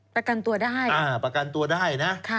ประกันตัวได้